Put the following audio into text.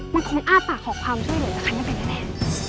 มันคงอ้าปปากขอความช่วยเหลือละครั้งนี้แน่แน่